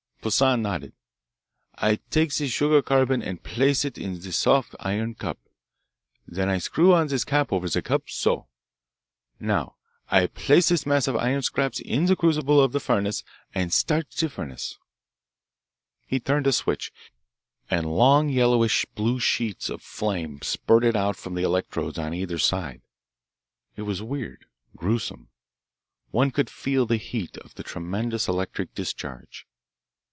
Poissan nodded. "I take this sugar carbon and place it in this soft iron cup. Then I screw on this cap over the cup, so. Now I place this mass of iron scraps in the crucible of the furnace and start the furnace." He turned a switch, and long yellowish blue sheets of flame spurted out from the electrodes on either side. It was weird, gruesome. One could feel the heat of the tremendous electric discharge.